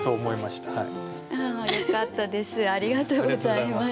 よかったです。